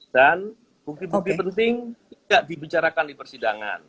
dan bukti bukti penting tidak dibicarakan di persidangan